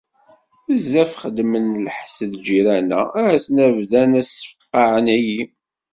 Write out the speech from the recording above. Bezzaf xeddmen lḥess lǧiran-a - aten-a bdan-a ssefqaεen-iyi!